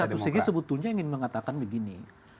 satu segi sebetulnya ingin mengatakan begini